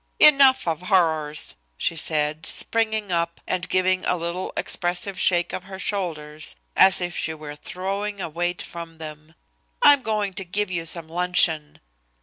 "Enough of horrors," she said, springing up and giving a little expressive shake of her shoulders as if she were throwing a weight from them. "I'm going to give you some luncheon."